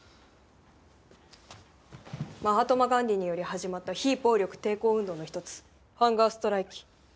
マハトマ・ガンディーにより始まった非暴力抵抗運動の一つハンガーストライキ。